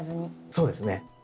そうですね。